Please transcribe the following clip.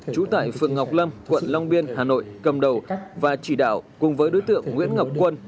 trú tại phường ngọc lâm quận long biên hà nội cầm đầu và chỉ đạo cùng với đối tượng nguyễn ngọc quân